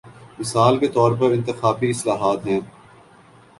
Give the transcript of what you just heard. مثال کے طور پر انتخابی اصلاحات ہیں۔